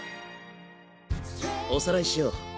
おさらいしよう。